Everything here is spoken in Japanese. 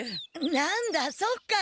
なんだそっか。